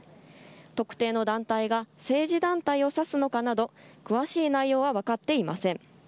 特定の団体が政治団体を指すのかなど詳しい内容は分かっていません。